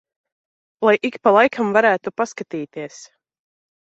Lai ik pa laikam varētu paskatīties.